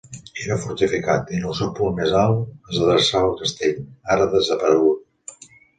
Era fortificat, i en el seu punt més alt es dreçava el castell, ara desaparegut.